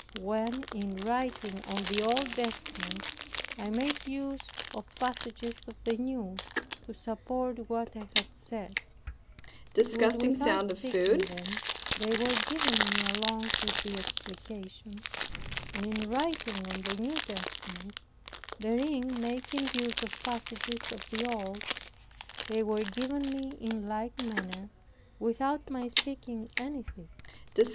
When, in writing on the Old Testament, I made use of passages of the New, to support what I had said, it was without seeking them, they were given me along with the explication; and in writing on the New Testament, therein making use of passages of the Old, they were given me in like manner without my seeking anything.